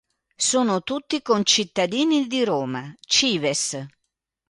Sono tutti concittadini di Roma, "cives".